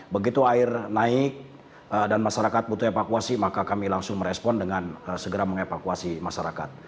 begitu air naik dan masyarakat butuh evakuasi maka kami langsung merespon dengan segera mengevakuasi masyarakat